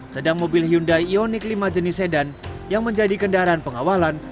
sedang mobil hyundai ionik lima jenis sedan yang menjadi kendaraan pengawalan